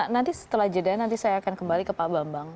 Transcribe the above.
nanti setelah jeda nanti saya akan kembali ke pak bambang